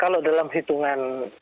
kalau dalam hitungan proses pelaksanaan ya